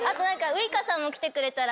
ウイカさんも来てくれたら。